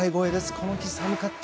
この日、寒かった。